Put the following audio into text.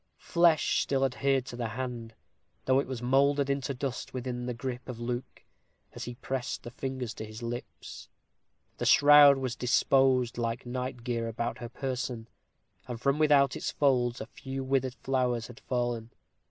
Flesh still adhered to the hand, though it mouldered into dust within the gripe of Luke, as he pressed the fingers to his lips. The shroud was disposed like night gear about her person, and from without its folds a few withered flowers had fallen.